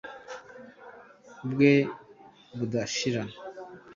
bwe budashira